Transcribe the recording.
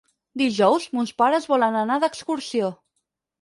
Dijous mons pares volen anar d'excursió.